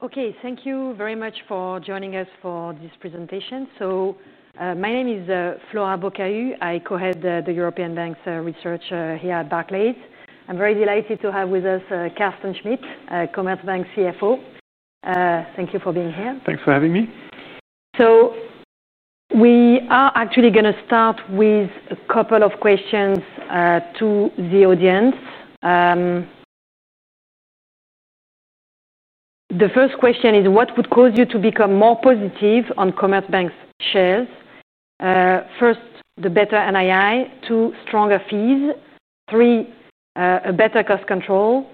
Okay, thank you very much for joining us for this presentation. My name is Flora Bocahu. I co-head the European Banks Research here at Barclays. I'm very delighted to have with us Carsten Schmitt, Commerzbank CFO. Thank you for being here. Thanks for having me. We are actually going to start with a couple of questions to the audience. The first question is, what would cause you to become more positive on Commerzbank's shares? First, better NII, two, stronger fees, three, better cost control,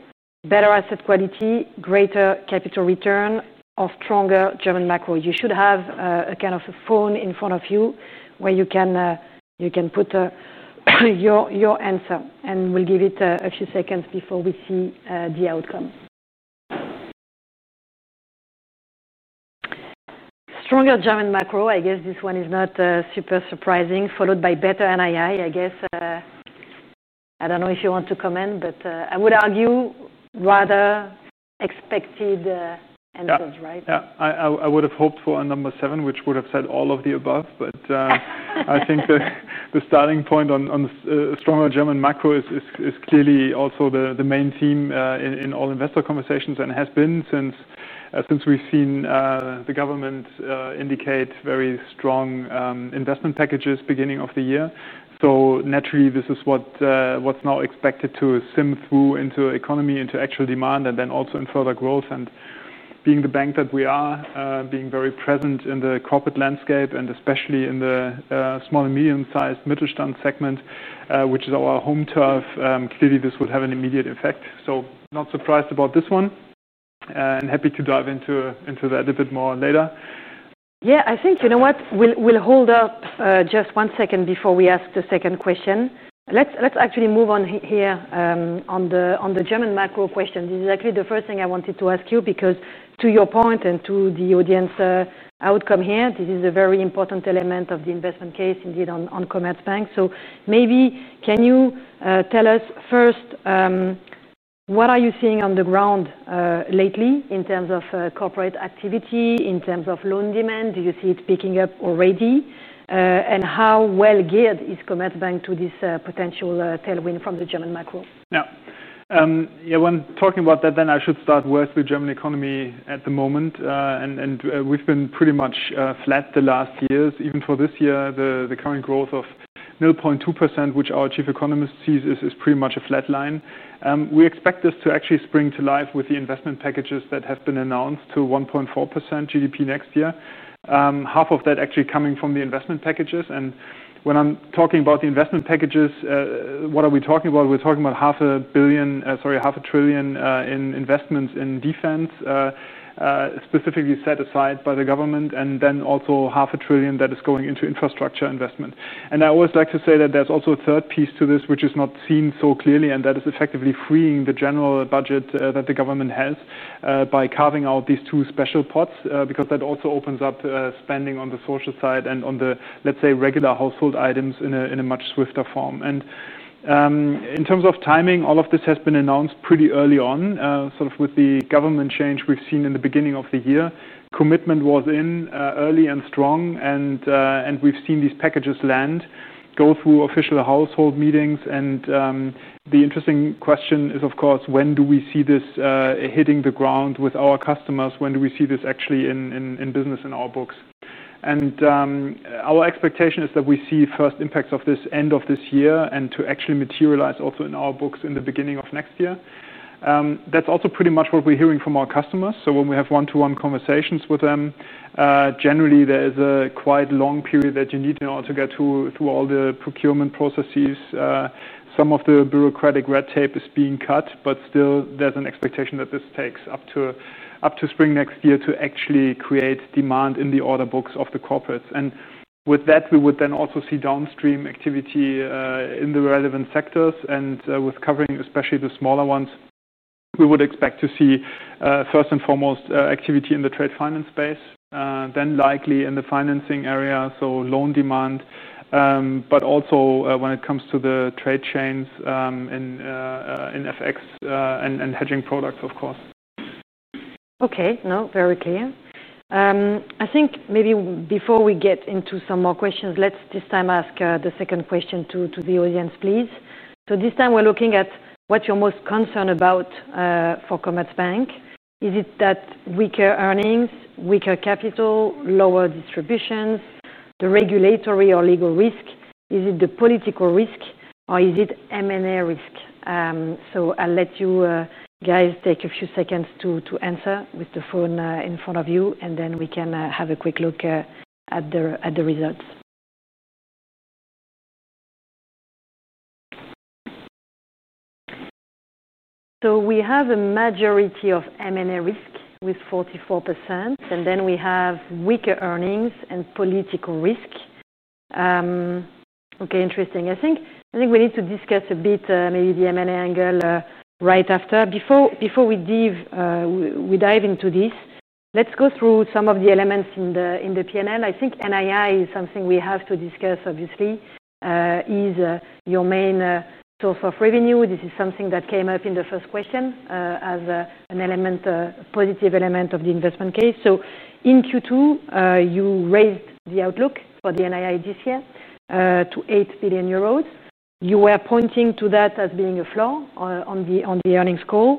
better asset quality, greater capital return, or stronger German macro? You should have a kind of a phone in front of you where you can put your answer, and we'll give it a few seconds before we see the outcomes. Stronger German macro, I guess this one is not super surprising, followed by better NII, I guess. I don't know if you want to comment, but I would argue rather expected answers, right? I would have hoped for a number seven, which would have said all of the above, but I think the starting point on a stronger German macro is clearly also the main theme in all investor conversations and has been since we've seen the government indicate very strong investment packages at the beginning of the year. Naturally, this is what's now expected to seep through into the economy, into actual demand, and then also in further growth. Being the bank that we are, being very present in the corporate landscape and especially in the small and medium-sized Mittelstand segment, which is our home turf, clearly this would have an immediate effect. Not surprised about this one and happy to dive into that a bit more later. I think, you know what, we'll hold up just one second before we ask the second question. Let's actually move on here on the German macro question. This is actually the first thing I wanted to ask you because to your point and to the audience outcome here, this is a very important element of the investment case indeed on Commerzbank. Maybe can you tell us first, what are you seeing on the ground lately in terms of corporate activity, in terms of loan demand? Do you see it picking up already, and how well geared is Commerzbank to this potential tailwind from the German macros? Yeah, when talking about that, then I should start first with the German economy at the moment. We've been pretty much flat the last years, even for this year, the current growth of 0.2%, which our Chief Economist sees as pretty much a flat line. We expect this to actually spring to life with the investment packages that have been announced to 1.4% GDP next year, half of that actually coming from the investment packages. When I'm talking about the investment packages, what are we talking about? We're talking about half a trillion in investments in defense, specifically set aside by the government, and then also half a trillion that is going into infrastructure investment. I always like to say that there's also a third piece to this, which is not seen so clearly, and that is effectively freeing the general budget that the government has by carving out these two special pots, because that also opens up spending on the social side and on the, let's say, regular household items in a much swifter form. In terms of timing, all of this has been announced pretty early on, sort of with the government change we've seen in the beginning of the year. Commitment was in early and strong, and we've seen these packages land, go through official household meetings. The interesting question is, of course, when do we see this hitting the ground with our customers? When do we see this actually in business in our books? Our expectation is that we see first impacts of this end of this year and to actually materialize also in our books in the beginning of next year. That's also pretty much what we're hearing from our customers. When we have one-to-one conversations with them, generally, there is a quite long period that you need to get to all the procurement processes. Some of the bureaucratic red tape is being cut, but still, there's an expectation that this takes up to spring next year to actually create demand in the order books of the corporates. With that, we would then also see downstream activity in the relevant sectors. With covering especially the smaller ones, we would expect to see, first and foremost, activity in the trade finance space, then likely in the financing area, so loan demand, but also when it comes to the trade chains in FX and hedging products, of course. Okay, no, very clear. I think maybe before we get into some more questions, let's this time ask the second question to the audience, please. This time we're looking at what you're most concerned about for Commerzbank. Is it weaker earnings, weaker capital, lower distributions, the regulatory or legal risk? Is it the political risk, or is it M&A risk? I'll let you guys take a few seconds to answer with the phone in front of you, and then we can have a quick look at the results. We have a majority of M&A risk with 44%, and then we have weaker earnings and political risk. Okay, interesting. I think we need to discuss a bit maybe the M&A angle right after. Before we dive into this, let's go through some of the elements in the P&L. I think NII is something we have to discuss, obviously. It is your main source of revenue. This is something that came up in the first question as an element, a positive element of the investment case. In Q2, you raised the outlook for the NII this year to €8 billion. You were pointing to that as being a floor on the earnings score.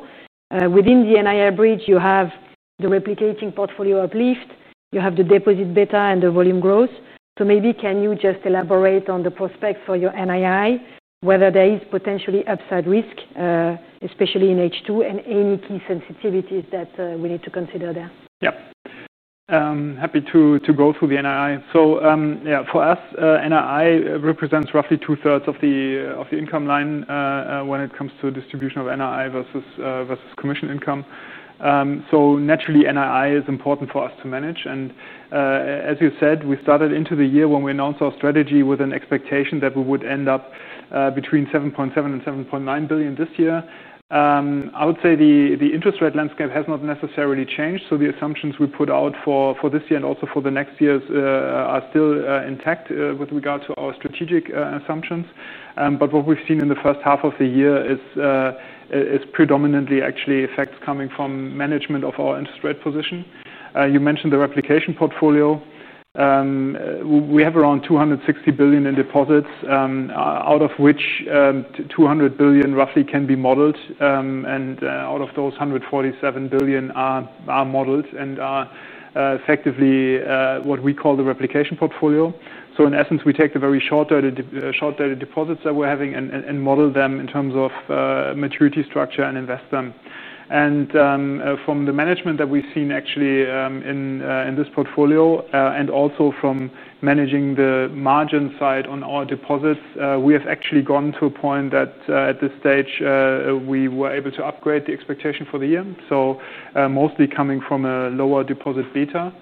Within the NII bridge, you have the replicating portfolio uplift, you have the deposit beta and the volume growth. Maybe can you just elaborate on the prospects for your NII, whether there is potentially upside risk, especially in H2 and any key sensitivities that we need to consider there? Yeah, happy to go through the NII. For us, NII represents roughly two-thirds of the income line when it comes to distribution of NII versus commission income. Naturally, NII is important for us to manage. As you said, we started into the year when we announced our strategy with an expectation that we would end up between €7.7 billion and €7.9 billion this year. I would say the interest rate landscape has not necessarily changed. The assumptions we put out for this year and also for the next years are still intact with regard to our strategic assumptions. What we've seen in the first half of the year is predominantly actually effects coming from management of our interest rate position. You mentioned the replication portfolio. We have around €260 billion in deposits, out of which €200 billion roughly can be modeled. Out of those, €147 billion are modeled and are effectively what we call the replication portfolio. In essence, we take the very short-dated deposits that we're having and model them in terms of maturity structure and invest them. From the management that we've seen actually in this portfolio and also from managing the margin side on our deposits, we have actually gone to a point that at this stage, we were able to upgrade the expectation for the year, mostly coming from a lower deposit beta.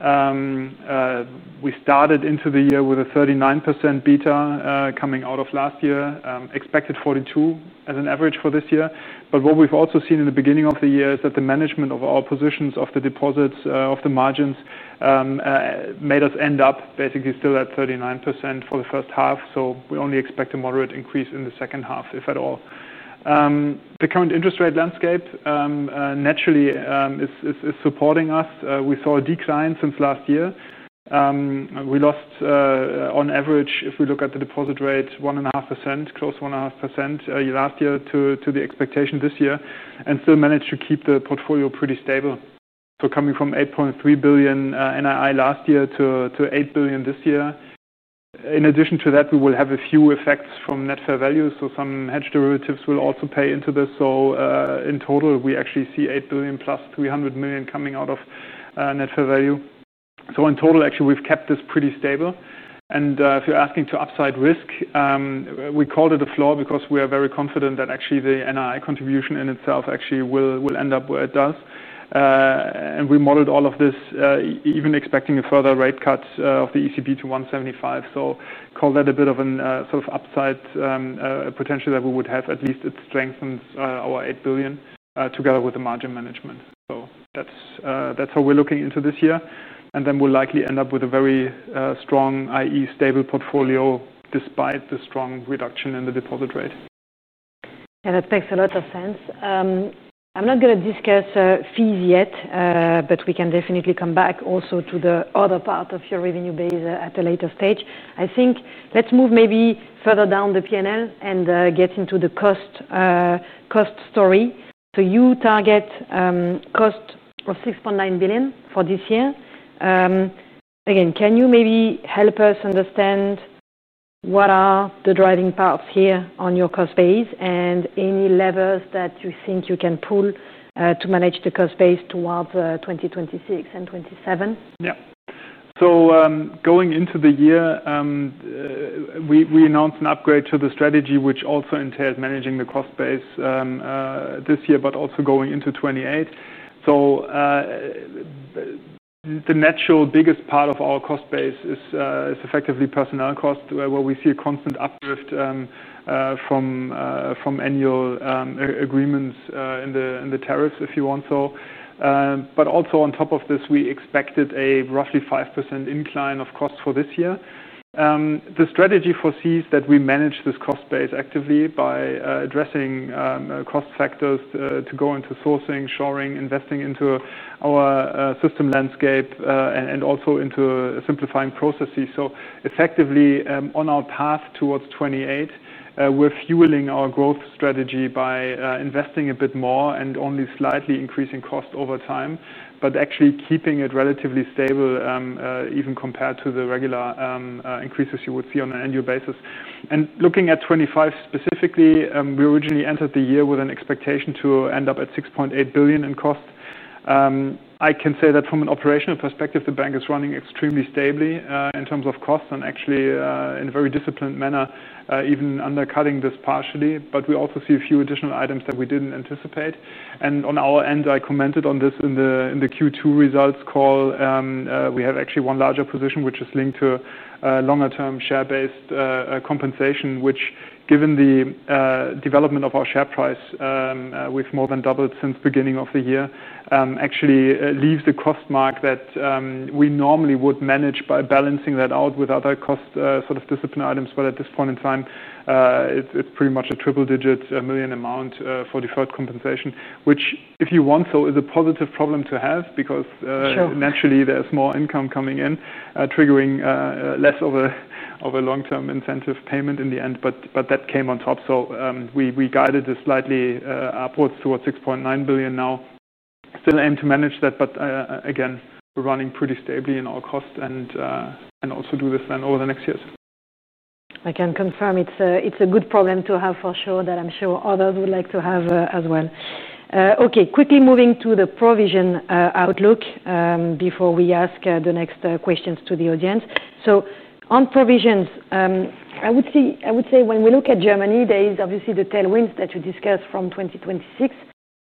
We started into the year with a 39% beta coming out of last year, expected 42% as an average for this year. What we've also seen in the beginning of the year is that the management of our positions of the deposits, of the margins, made us end up basically still at 39% for the first half. We only expect a moderate increase in the second half, if at all. The current interest rate landscape naturally is supporting us. We saw a decline since last year. We lost on average, if we look at the deposit rate, 1.5%, close to 1.5% last year to the expectation this year and still managed to keep the portfolio pretty stable. Coming from €8.3 billion NII last year to €8 billion this year. In addition to that, we will have a few effects from net fair value. Some hedge derivatives will also pay into this. In total, we actually see €8 billion plus €300 million coming out of net fair value. In total, actually, we've kept this pretty stable. If you're asking to upside risk, we called it a floor because we are very confident that actually the NII contribution in itself actually will end up where it does. We modeled all of this, even expecting a further rate cut of the ECB to 1.75. Call that a bit of an upside potential that we would have. At least it strengthens our €8 billion together with the margin management. That's how we're looking into this year. We'll likely end up with a very strong, i.e., stable portfolio despite the strong reduction in the deposit rates. Yeah, that makes a lot of sense. I'm not going to discuss fees yet, but we can definitely come back also to the other part of your revenue base at a later stage. I think let's move maybe further down the P&L and get into the cost story. You target cost of €6.9 billion for this year. Again, can you maybe help us understand what are the driving parts here on your cost base and any levers that you think you can pull to manage the cost base towards 2026 and 2027? Yeah, so going into the year, we announced an upgrade to the strategy, which also entails managing the cost base this year, but also going into 2028. The natural biggest part of our cost base is effectively personnel cost, where we see a constant uplift from annual agreements in the tariffs, if you want so. Also, on top of this, we expected a roughly 5% incline of cost for this year. The strategy foresees that we manage this cost base actively by addressing cost factors to go into sourcing, shoring, investing into our system landscape, and also into simplifying processes. Effectively on our path towards 2028, we're fueling our growth strategy by investing a bit more and only slightly increasing cost over time, but actually keeping it relatively stable, even compared to the regular increases you would see on an annual basis. Looking at 2025 specifically, we originally entered the year with an expectation to end up at €6.8 billion in cost. I can say that from an operational perspective, the bank is running extremely stably in terms of costs and actually in a very disciplined manner, even undercutting this partially. We also see a few additional items that we didn't anticipate. On our end, I commented on this in the Q2 results call. We have actually one larger position, which is linked to longer-term share-based compensation, which given the development of our share price, we've more than doubled since the beginning of the year, actually leaves the cost mark that we normally would manage by balancing that out with other cost discipline items. At this point in time, it's pretty much a triple-digit million amount for deferred compensation, which if you want so is a positive problem to have because naturally there's more income coming in, triggering less of a long-term incentive payment in the end. That came on top. We guided this slightly upwards towards €6.9 billion now. Still aim to manage that, but again, we're running pretty stably in our cost and also do this then over the next years. I can confirm it's a good problem to have for sure that I'm sure others would like to have as well. Okay, quickly moving to the provision outlook before we ask the next questions to the audience. On provisions, I would say when we look at Germany, there is obviously the tailwinds that you discussed from 2026.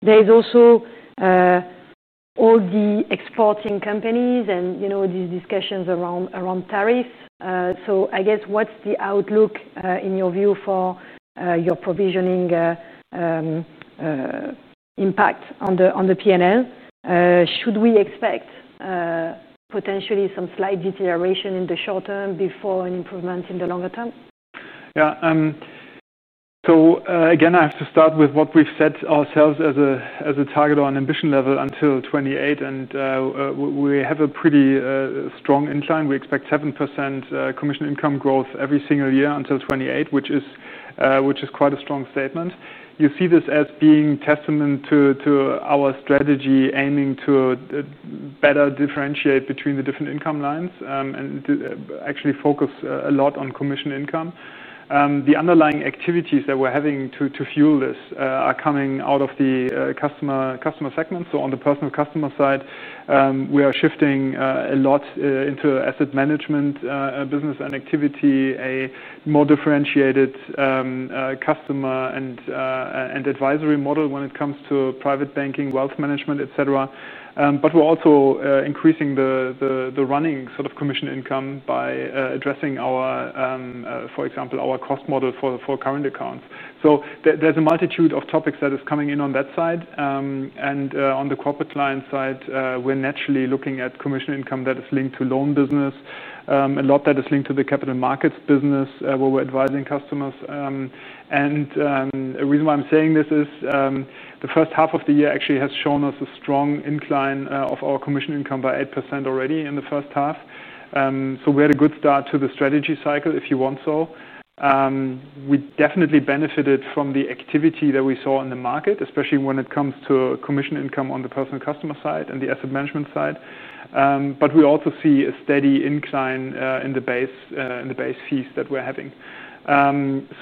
There are also all the exporting companies and these discussions around tariffs. I guess what's the outlook in your view for your provisioning impact on the P&L? Should we expect potentially some slight deterioration in the short term before an improvement in the longer term? Yeah, so again, I have to start with what we've set ourselves as a target or an ambition level until 2028. We have a pretty strong incline. We expect 7% commission income growth every single year until 2028, which is quite a strong statement. You see this as being a testament to our strategy aiming to better differentiate between the different income lines and actually focus a lot on commission income. The underlying activities that we're having to fuel this are coming out of the customer segment. On the personal customer side, we are shifting a lot into asset management business and activity, a more differentiated customer and advisory model when it comes to private banking, wealth management, et cetera. We're also increasing the running sort of commission income by addressing our, for example, our cost model for current accounts. There's a multitude of topics that are coming in on that side. On the corporate client side, we're naturally looking at commission income that is linked to loan business, a lot that is linked to the capital markets business where we're advising customers. The reason why I'm saying this is the first half of the year actually has shown us a strong incline of our commission income by 8% already in the first half. We had a good start to the strategy cycle, if you want so. We definitely benefited from the activity that we saw in the market, especially when it comes to commission income on the personal customer side and the asset management side. We also see a steady incline in the base fees that we're having.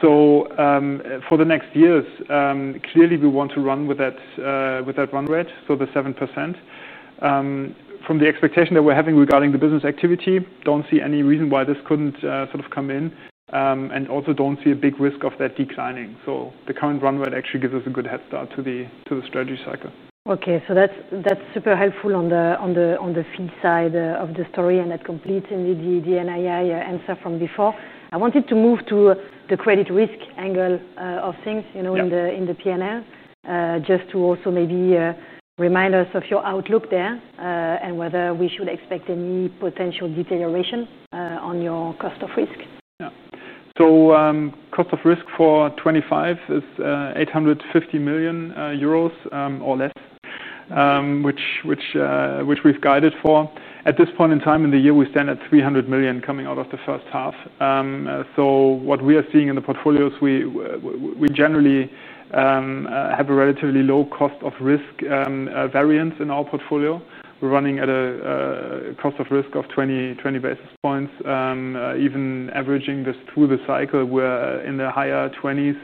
For the next years, clearly we want to run with that run rate, so the 7%. From the expectation that we're having regarding the business activity, I don't see any reason why this couldn't sort of come in. I also don't see a big risk of that declining. The current run rate actually gives us a good head start to the strategy cycle. Okay, that's super helpful on the fee side of the story, and that completes indeed the NII answer from before. I wanted to move to the credit risk angle of things in the P&L, just to also maybe remind us of your outlook there and whether we should expect any potential deterioration on your cost of risk. Yeah, so cost of risk for 2025 is €850 million or less, which we've guided for. At this point in time in the year, we stand at €300 million coming out of the first half. What we are seeing in the portfolios, we generally have a relatively low cost of risk variance in our portfolio. We're running at a cost of risk of 20 basis points. Even averaging this through the cycle, we're in the higher 20s,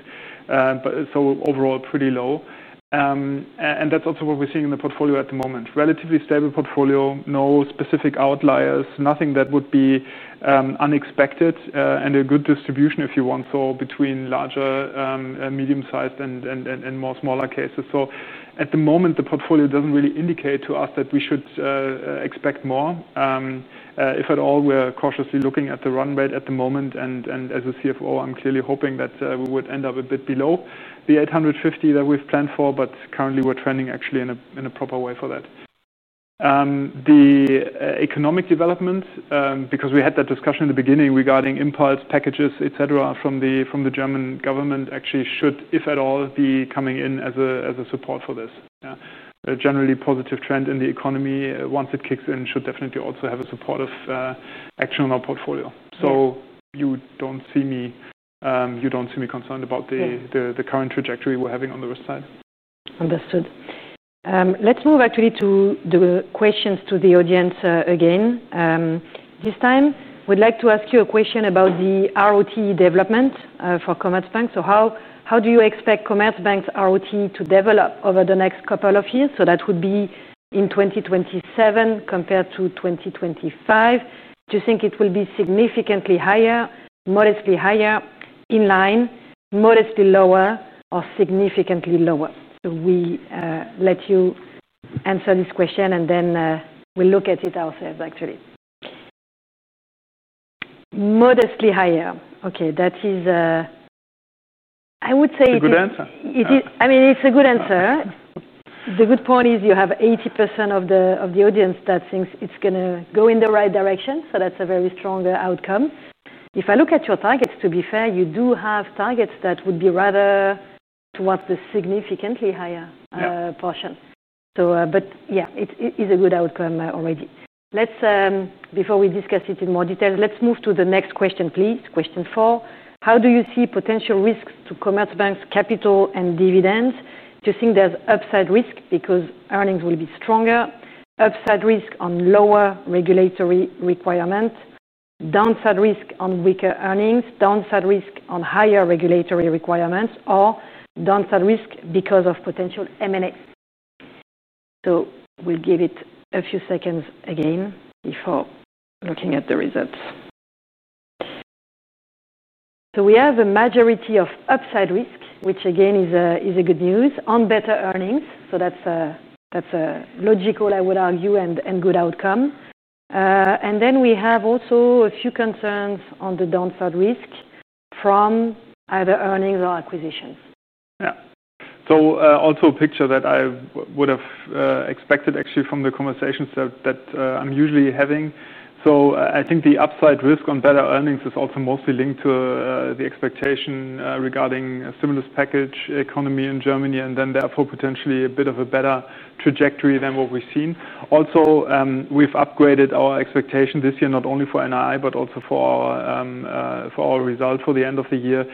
but overall pretty low. That's also what we're seeing in the portfolio at the moment. Relatively stable portfolio, no specific outliers, nothing that would be unexpected, and a good distribution, if you want so, between larger, medium-sized, and more smaller cases. At the moment, the portfolio doesn't really indicate to us that we should expect more. If at all, we're cautiously looking at the run rate at the moment, and as a CFO, I'm clearly hoping that we would end up a bit below the €850 million that we've planned for, but currently we're trending actually in a proper way for that. The economic development, because we had that discussion in the beginning regarding impulse packages, etc., from the German government actually should, if at all, be coming in as a support for this. A generally positive trend in the economy, once it kicks in, should definitely also have a supportive action on our portfolio. You don't see me concerned about the current trajectory we're having on the risk side. Understood. Let's move actually to the questions to the audience again. This time, we'd like to ask you a question about the return on tangible equity development for Commerzbank. How do you expect Commerzbank's return on tangible equity to develop over the next couple of years? That would be in 2027 compared to 2025. Do you think it will be significantly higher, modestly higher, in line, modestly lower, or significantly lower? We let you answer this question and then we'll look at it ourselves, actually. Modestly higher. Okay, that is, I would say it is. I mean, it's a good answer. The good point is you have 80% of the audience that thinks it's going to go in the right direction. That's a very strong outcome. If I look at your targets, to be fair, you do have targets that would be rather towards the significantly higher portion. It is a good outcome already. Before we discuss it in more detail, let's move to the next question, please. Question four. How do you see potential risks to Commerzbank's capital and dividends? Do you think there's upside risk because earnings will be stronger, upside risk on lower regulatory requirements, downside risk on weaker earnings, downside risk on higher regulatory requirements, or downside risk because of potential M&A? We'll give it a few seconds again before looking at the results. We have a majority of upside risk, which again is good news, on better earnings. That's a logical, I would argue, and good outcome. We have also a few concerns on the downside risk from either earnings or acquisitions. Yeah, so also a picture that I would have expected actually from the conversations that I'm usually having. I think the upside risk on better earnings is also mostly linked to the expectation regarding a similar package economy in Germany and therefore potentially a bit of a better trajectory than what we've seen. Also, we've upgraded our expectation this year, not only for NII, but also for our result for the end of the year.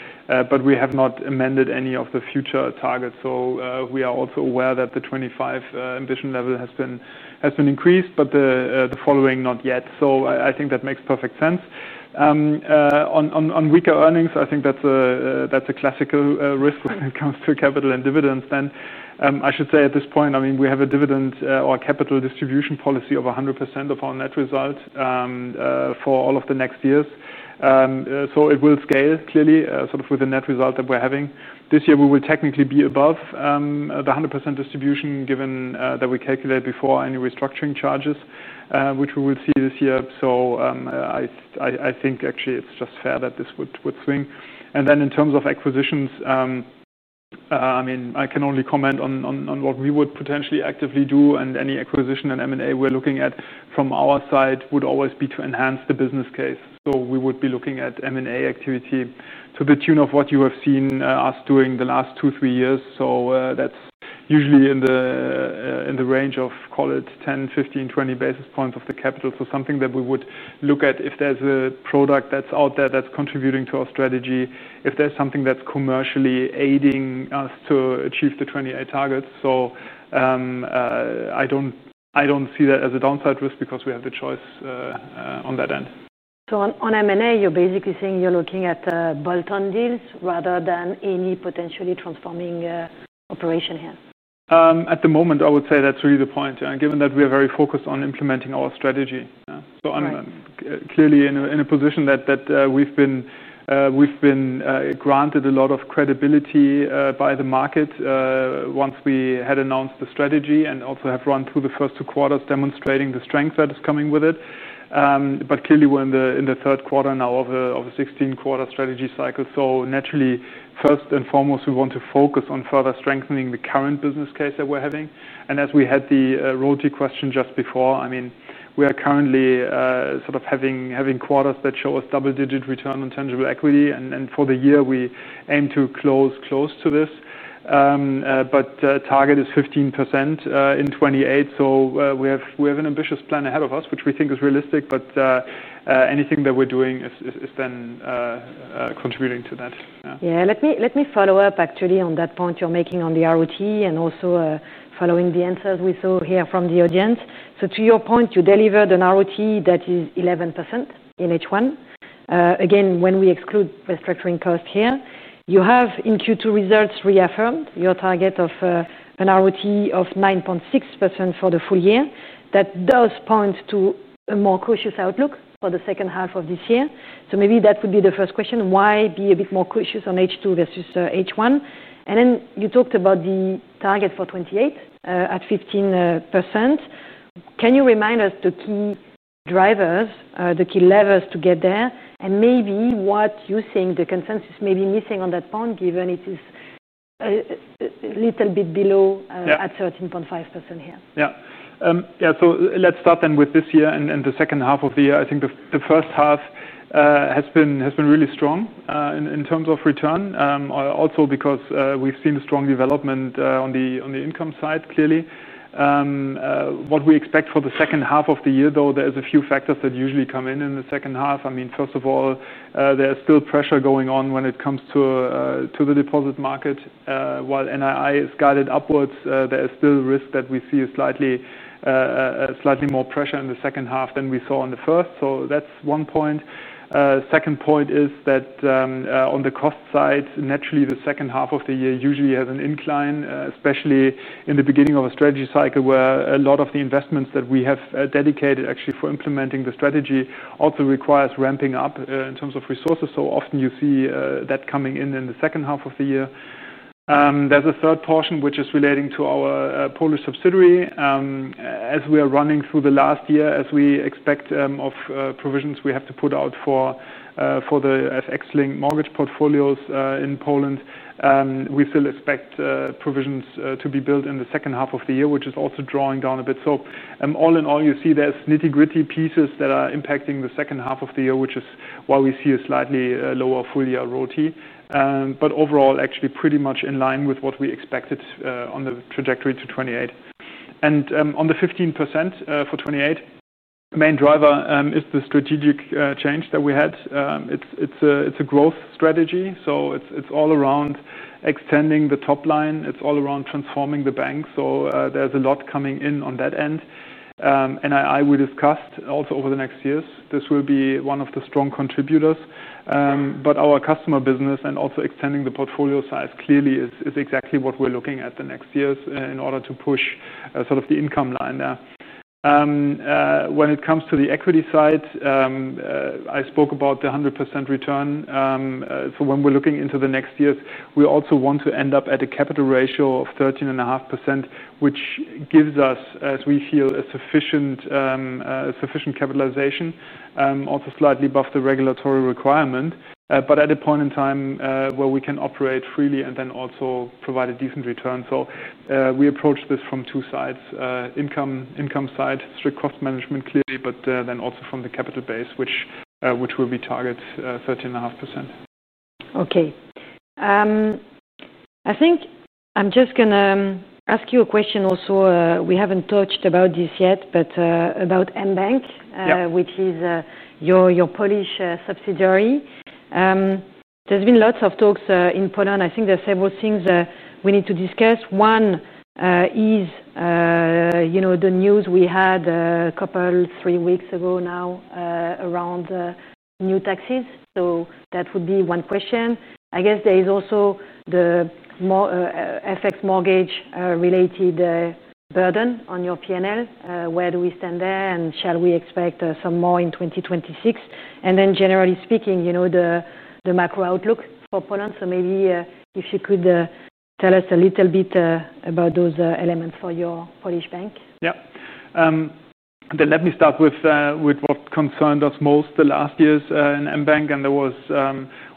We have not amended any of the future targets. We are also aware that the 2025 ambition level has been increased, but the following not yet. I think that makes perfect sense. On weaker earnings, I think that's a classical risk when it comes to capital and dividends. I should say at this point, I mean, we have a dividend or a capital distribution policy of 100% of our net result for all of the next years. It will scale clearly sort of with the net result that we're having. This year, we will technically be above the 100% distribution given that we calculate before any restructuring charges, which we will see this year. I think actually it's just fair that this would swing. In terms of acquisitions, I mean, I can only comment on what we would potentially actively do and any acquisition and M&A we're looking at from our side would always be to enhance the business case. We would be looking at M&A activity to the tune of what you have seen us doing the last two, three years. That's usually in the range of, call it 10, 15, 20 basis points of the capital. Something that we would look at if there's a product that's out there that's contributing to our strategy, if there's something that's commercially aiding us to achieve the 2028 targets. I don't see that as a downside risk because we have the choice on that end. On M&A, you're basically saying you're looking at bolt-on deals rather than any potentially transforming operation here? At the moment, I would say that's really the point, given that we are very focused on implementing our strategy. I'm clearly in a position that we've been granted a lot of credibility by the market once we had announced the strategy and also have run through the first two quarters demonstrating the strength that is coming with it. We are in the third quarter now of a 16-quarter strategy cycle. Naturally, first and foremost, we want to focus on further strengthening the current business case that we're having. As we had the royalty question just before, we are currently sort of having quarters that show us double-digit return on tangible equity. For the year, we aim to close close to this. The target is 15% in 2028. We have an ambitious plan ahead of us, which we think is realistic. Anything that we're doing is then contributing to that. Yeah, let me follow up actually on that point you're making on the return on tangible equity and also following the answers we saw here from the audience. To your point, you delivered a return on tangible equity that is 11% in H1. Again, when we exclude restructuring cost here, you have in Q2 results reaffirmed your target of a return on tangible equity of 9.6% for the full year. That does point to a more cautious outlook for the second half of this year. Maybe that would be the first question. Why be a bit more cautious on H2 versus H1? You talked about the target for 2028 at 15%. Can you remind us the key drivers, the key levers to get there? Maybe what you think the consensus may be missing on that point, given it is a little bit below at 13.5% here? Yeah, yeah, let's start then with this year and the second half of the year. I think the first half has been really strong in terms of return, also because we've seen a strong development on the income side, clearly. What we expect for the second half of the year, though, there are a few factors that usually come in in the second half. First of all, there is still pressure going on when it comes to the deposit market. While NII is guided upwards, there is still risk that we see slightly more pressure in the second half than we saw in the first. That's one point. The second point is that on the cost side, naturally, the second half of the year usually has an incline, especially in the beginning of a strategy cycle where a lot of the investments that we have dedicated actually for implementing the strategy also require ramping up in terms of resources. Often you see that coming in in the second half of the year. There's a third portion which is relating to our Polish subsidiary. As we are running through the last year, as we expect provisions we have to put out for the FX-linked mortgage portfolios in Poland, we still expect provisions to be built in the second half of the year, which is also drawing down a bit. All in all, you see there are nitty-gritty pieces that are impacting the second half of the year, which is why we see a slightly lower full-year royalty, but overall actually pretty much in line with what we expected on the trajectory to 2028. On the 15% for 2028, the main driver is the strategic change that we had. It's a growth strategy. It's all around extending the top line. It's all around transforming the bank. There's a lot coming in on that end. NII, we discussed also over the next years, this will be one of the strong contributors. Our customer business and also extending the portfolio size clearly is exactly what we're looking at the next years in order to push sort of the income line there. When it comes to the equity side, I spoke about the 100% return. When we're looking into the next years, we also want to end up at a capital ratio of 13.5%, which gives us, as we feel, a sufficient capitalization, also slightly above the regulatory requirement, at a point in time where we can operate freely and then also provide a decent return. We approach this from two sides: income side, strict cost management clearly, but then also from the capital base, which will be target 13.5%. Okay, I think I'm just going to ask you a question also. We haven't touched about this yet, but about mBank, which is your Polish subsidiary. There's been lots of talks in Poland. I think there are several things we need to discuss. One is, you know, the news we had a couple of three weeks ago now around new taxes. That would be one question. I guess there is also the FX mortgage-related burden on your P&L. Where do we stand there? Shall we expect some more in 2026? Generally speaking, you know, the macro outlook for Poland. Maybe if you could tell us a little bit about those elements for your Polish bank. Yeah, let me start with what concerned us most the last years in mBank. There was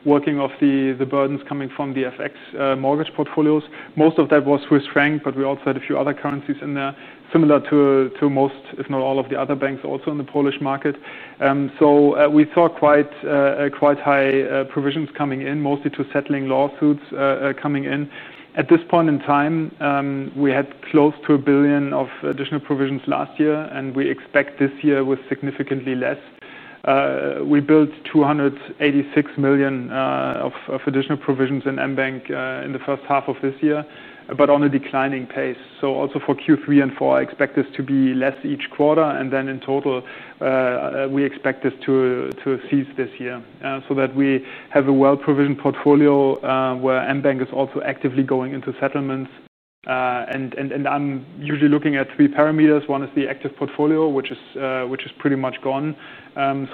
working off the burdens coming from the FX mortgage portfolios. Most of that was with Frank, but we also had a few other currencies in there similar to most, if not all, of the other banks also in the Polish market. We saw quite high provisions coming in, mostly to settling lawsuits coming in. At this point in time, we had close to €1 billion of additional provisions last year, and we expect this year with significantly less. We built €286 million of additional provisions in mBank in the first half of this year, but on a declining pace. For Q3 and Q4, I expect this to be less each quarter. In total, we expect this to cease this year so that we have a well-provisioned portfolio where mBank is also actively going into settlements. I'm usually looking at three parameters. One is the active portfolio, which is pretty much gone.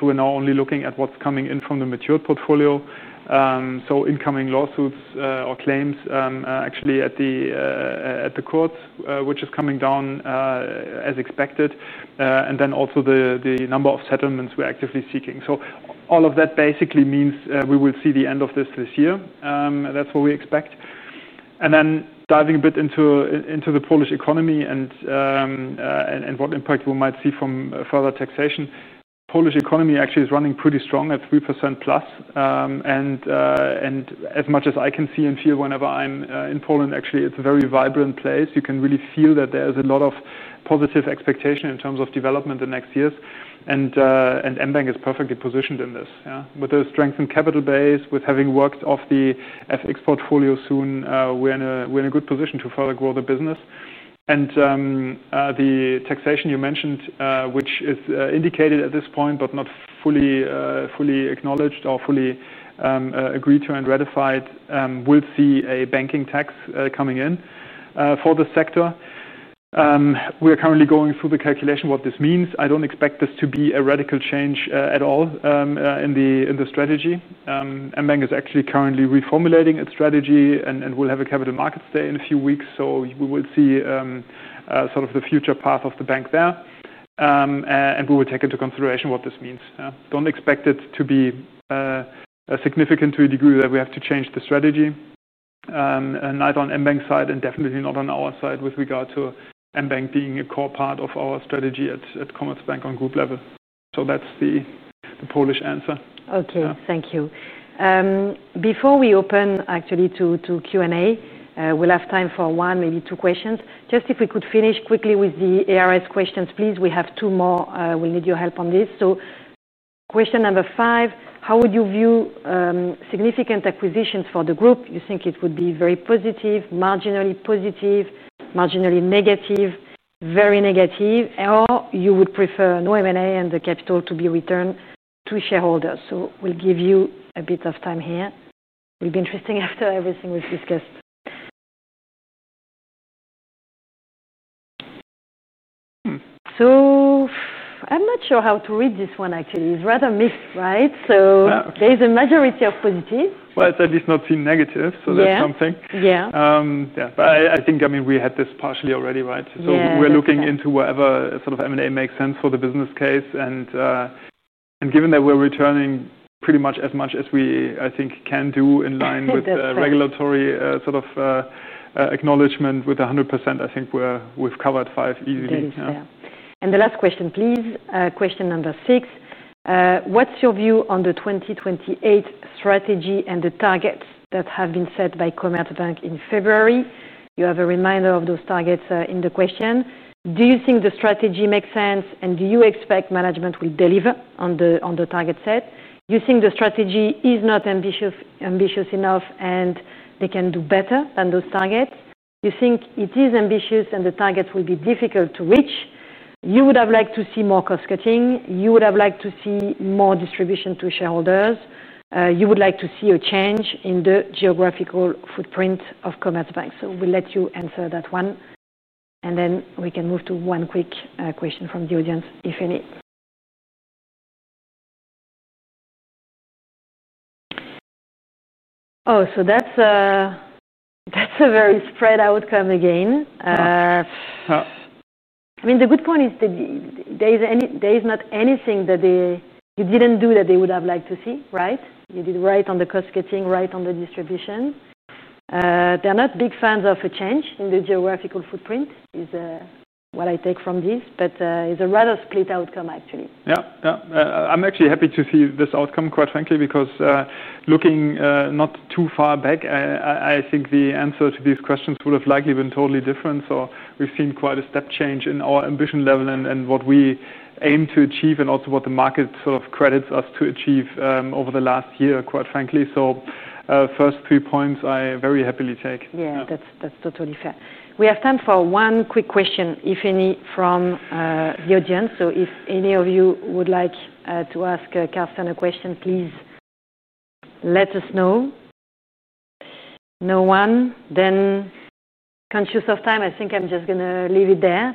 We're now only looking at what's coming in from the matured portfolio, so incoming lawsuits or claims actually at the court, which is coming down as expected. The number of settlements we're actively seeking is also a factor. All of that basically means we will see the end of this this year. That's what we expect. Diving a bit into the Polish economy and what impact we might see from further taxation, the Polish economy actually is running pretty strong at 3% plus. As much as I can see and feel whenever I'm in Poland, it's a very vibrant place. You can really feel that there's a lot of positive expectation in terms of development in the next years. mBank is perfectly positioned in this. With a strengthened capital base, with having worked off the FX portfolio soon, we're in a good position to further grow the business. The taxation you mentioned, which is indicated at this point but not fully acknowledged or fully agreed to and ratified, we'll see a banking tax coming in for the sector. We are currently going through the calculation of what this means. I don't expect this to be a radical change at all in the strategy. mBank is actually currently reformulating its strategy and will have a capital markets day in a few weeks. We will see sort of the future path of the bank there. We will take into consideration what this means. Don't expect it to be a significant degree that we have to change the strategy, neither on mBank's side and definitely not on our side with regard to mBank being a core part of our strategy at Commerzbank on a group level. That's the Polish answer. Okay, thank you. Before we open actually to Q&A, we'll have time for one, maybe two questions. Just if we could finish quickly with the ARS questions, please. We have two more. We'll need your help on this. Question number five, how would you view significant acquisitions for the group? You think it would be very positive, marginally positive, marginally negative, very negative, or you would prefer no M&A and the capital to be returned to shareholders? We'll give you a bit of time here. It'll be interesting after everything we've discussed. I'm not sure how to read this one, actually. It's rather mixed, right? There's a majority of positive. It does not seem negative. That's something. I think we had this partially already, right? We're looking into whatever sort of M&A makes sense for the business case. Given that we're returning pretty much as much as we, I think, can do in line with regulatory sort of acknowledgement with 100%, I think we've covered five easily. The last question, please. Question number six. What's your view on the 2028 strategy and the targets that have been set by Commerzbank in February? You have a reminder of those targets in the question. Do you think the strategy makes sense and do you expect management will deliver on the target set? Do you think the strategy is not ambitious enough and they can do better than those targets? Do you think it is ambitious and the targets will be difficult to reach? You would have liked to see more cost cutting? You would have liked to see more distribution to shareholders? You would like to see a change in the geographical footprint of Commerzbank? We'll let you answer that one. We can move to one quick question from the audience, if any. Oh, that's a very spread outcome again. The good point is there is not anything that you didn't do that they would have liked to see, right? You did right on the cost cutting, right on the distribution. They're not big fans of a change in the geographical footprint is what I take from this, but it's a rather split outcome, actually. Yeah, I'm actually happy to see this outcome, quite frankly, because looking not too far back, I think the answer to these questions would have likely been totally different. We've seen quite a step change in our ambition level and what we aim to achieve and also what the market sort of credits us to achieve over the last year, quite frankly. The first three points I very happily take. Yeah, that's totally fair. We have time for one quick question, if any, from the audience. If any of you would like to ask Carsten a question, please let us know. No one. Conscious of time, I think I'm just going to leave it there.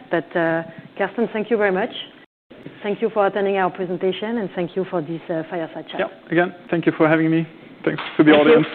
Carsten, thank you very much. Thank you for attending our presentation and thank you for this fireside chat. Yeah, again, thank you for having me. Thanks to the audience.